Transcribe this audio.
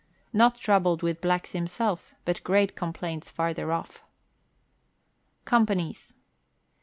Not troubled with blacks himself, but great complaints farther off. Company's.